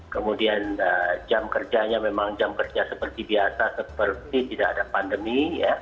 kemudian jam kerjanya memang jam kerja seperti biasa seperti tidak ada pandemi